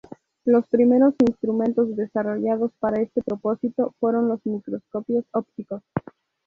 Los primeros instrumentos desarrollados para este propósito fueron los microscopios ópticos.